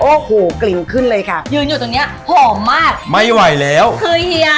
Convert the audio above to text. โอ้โหกลิ่นขึ้นเลยค่ะยืนอยู่ตรงเนี้ยหอมมากไม่ไหวแล้วคือเฮีย